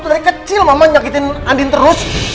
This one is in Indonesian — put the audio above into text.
dari kecil mama nyakitin andin terus